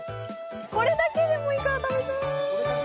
これだけでもいいから食べたい！